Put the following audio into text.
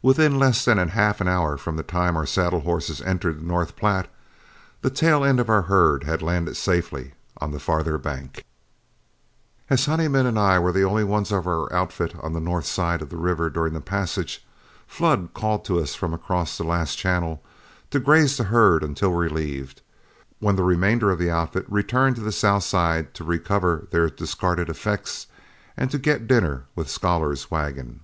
Within less than half an hour from the time our saddle horses entered the North Platte, the tail end of our herd had landed safely on the farther bank. [Illustration: SWIMMING THE PLATTE] As Honeyman and I were the only ones of our outfit on the north side of the river during the passage, Flood called to us from across the last channel to graze the herd until relieved, when the remainder of the outfit returned to the south side to recover their discarded effects and to get dinner with Scholar's wagon.